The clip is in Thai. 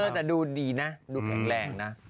แต่ดูดีนะดูแข็งแรงนะ